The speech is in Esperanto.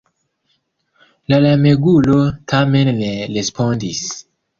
La lamegulo tamen ne respondis.